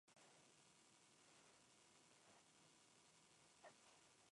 En las coordenadas geográficas